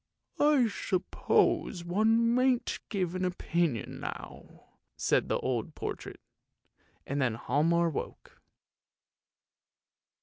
" I suppose one mayn't give an opinion now! " said the old portrait. And then Hialmar woke.